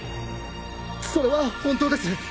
それは本当です。